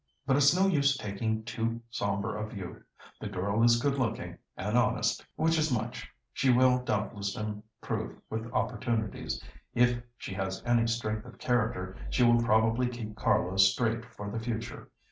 "But it's no use taking too sombre a view. The girl is good looking, and honest, which is much. She will, doubtless improve with opportunities. If she has any strength of character, she will probably keep Carlo straight for the future.